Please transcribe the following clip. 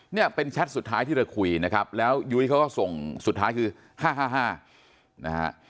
เนี่ยเป็นแชทสุดท้ายที่เราคุยนะครับแล้วยุ้ยเขาก็ส่งสุดท้ายคือ๕๕นะฮะ